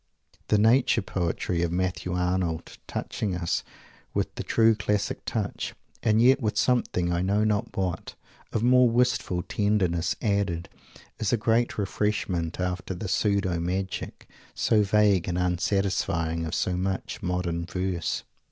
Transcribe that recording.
The direct Nature poetry of Matthew Arnold, touching us with the true classic touch, and yet with something, I know not what, of more wistful tenderness added, is a great refreshment after the pseudo magic, so vague and unsatisfying, of so much modern verse.